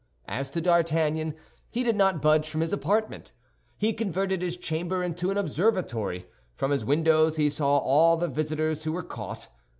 As to D'Artagnan, he did not budge from his apartment. He converted his chamber into an observatory. From his windows he saw all the visitors who were caught.